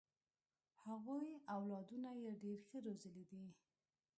هغوی اولادونه یې ډېر ښه روزلي دي.